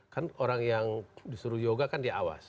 kan orang yang disuruh yoga kan dia awas